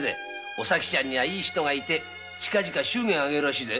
お咲ちゃんにはいい人がいて近々祝言を挙げるらしいぜ。